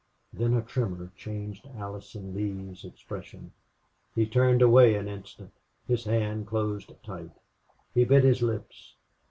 Then a tremor changed Allison Lee's expression. He turned away an instant: his hand closed tight; he bit his lips.